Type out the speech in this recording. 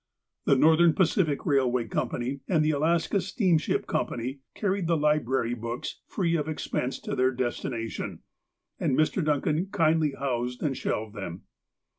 The l^orthern Pacific Eail way Company and the Alaska Steamship Company carried the library books free of ex pense to their destination, and Mr. Duncan kindly housed and shelved them.